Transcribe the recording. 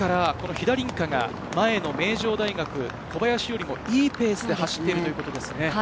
ですから飛田凛香が前の名城大学・小林よりもいいペースで走っているということですね。